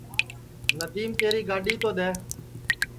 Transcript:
ندیم تیری گاڈؔی تو دؔے